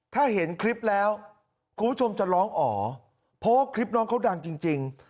ถ้าเห็นคลิปแล้วคุณผู้ชมจะร้องอ๋อเพราะว่าคลิปน้องเขาดังจริง